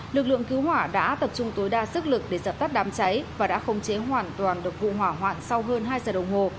lực lượng cứu hỏa đã tập trung tối đa sức lực để dập tắt đám cháy và đã không chế hoàn toàn được vụ hỏa hoạn sau hơn hai giờ đồng hồ